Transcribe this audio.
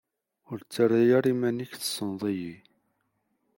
Ur ttarra ara iman-ik tessneḍ-iyi.